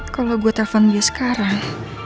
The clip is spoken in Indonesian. kalau gue telpon gue sekarang